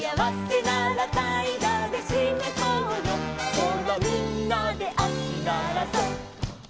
「ほらみんなで足ならそう」